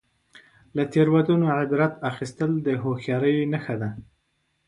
• له تیروتنو عبرت اخیستل د هوښیارۍ نښه ده.